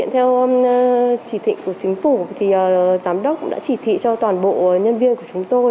thực hiện theo chỉ thịnh của chính phủ thì giám đốc đã chỉ thị cho toàn bộ nhân viên của chúng tôi